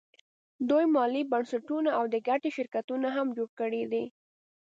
دوی مالي بنسټونه او د ګټې شرکتونه هم جوړ کړي دي